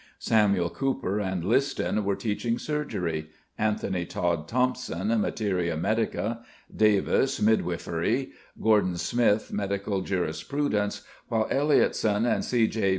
Samuel Cooper and Liston were teaching surgery; Anthony Todd Thompson, materia medica; Davis, midwifery; Gordon Smith, medical jurisprudence; while Elliotson and C. J.